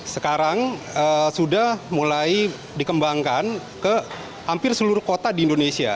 sekarang sudah mulai dikembangkan ke hampir seluruh kota di indonesia